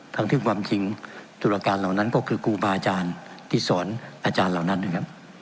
ทั้งที่ความจริงตุรการเหล่านั้นก็คือครูบาอาจารย์ที่สอนอาจารย์เหล่านั้นนะครับ